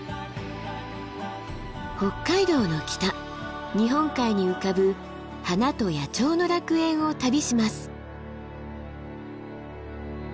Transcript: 北海道の北日本海に浮かぶ花と野鳥の楽園を旅します。